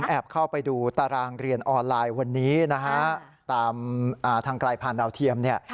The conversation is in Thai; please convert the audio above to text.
แอบเข้าไปดูตารางเรียนออนไลน์วันนี้นะฮะตามทางไกลผ่านดาวเทียมเนี่ย